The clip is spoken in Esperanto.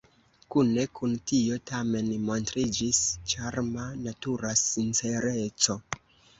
Kune kun tio, tamen, montriĝis ĉarma, natura sincereco.